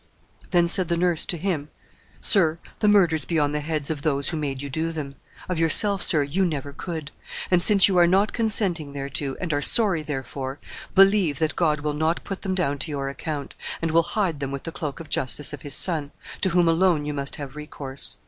Then said the nurse to him, 'Sir, the murders be on the heads of those who made you do them! Of yourself, sir, you never could; and since you are not consenting thereto, and are sorry therefor, believe that God will not put them down to your account, and will hide them with the cloak of justice of His Son, to whom alone you must have recourse.